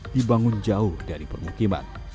dibangun jauh dari permukiman